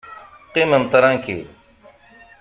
Qqimem ṭṛankil!